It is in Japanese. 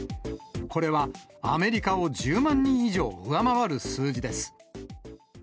これはアメリカを１０万人以上上回る数字です。